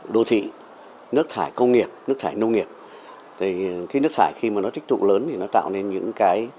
đô thị nước thải công nghiệp nước thải nông nghiệp thì cái nước thải khi mà nó tích tụ lớn thì nó tạo nên những cái